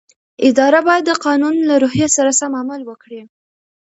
اداره باید د قانون له روحیې سره سم عمل وکړي.